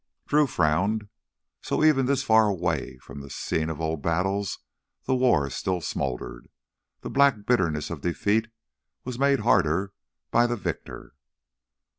Drew frowned. So even this far away from the scene of old battles the war still smoldered; the black bitterness of defeat was made harder by the victor.